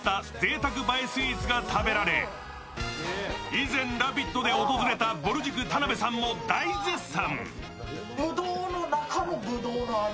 以前「ラヴィット！」で訪れたぼる塾・田辺さんも大絶賛。